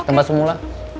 ke tempat semula